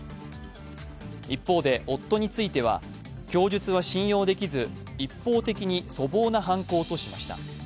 一方で、夫については供述は信用できず一方的に粗暴な犯行としました。